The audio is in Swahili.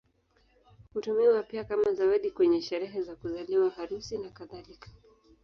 Hutumiwa pia kama zawadi kwenye sherehe za kuzaliwa, harusi, nakadhalika.